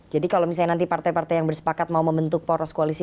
jadi kalau misalnya nanti partai partai yang bersepakat mau membentuk poros koalisi